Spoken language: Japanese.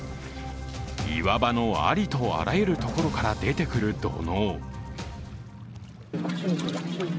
岩場のありとあらゆるところから出てくる土のう。